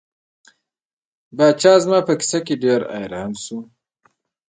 پاچا زما په کیسه ډیر حیران شو.